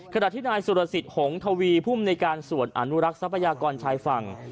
ขณะที่นายสุรสิทธิหงทวีภูมิในการส่วนอนุรักษ์ทรัพยากรชายฝั่ง